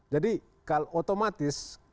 jadi kalau otomatis